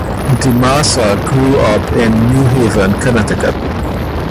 DiMassa grew up in New Haven, Connecticut.